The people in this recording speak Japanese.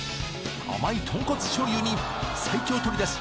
甘い豚骨醤油に最強鶏出汁